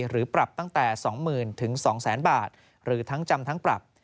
หรือปรับตั้งแต่๒๐๐๐๒๐๐๐๐บาทหรือทั้งจำทั้งปรับ